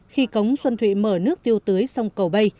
khi cống xuân thụy mở nước tiêu tưới sông cầu bây